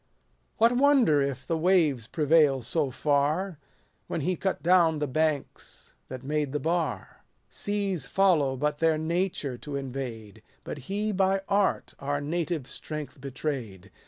167 What wonder if the waves prevail so far, 69 When he cut down the banks that made the bar % Seas follow but their nature to invade ; But he by art our native strength betray'd.